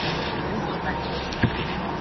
A menudo con manchas.